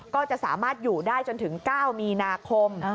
ก็จะสามารถอยู่ได้จนถึง๙มีนาคม